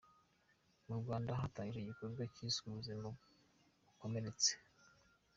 Mu Rwanda hatangijwe igikorwa kiswe Ubuzima bukomeretse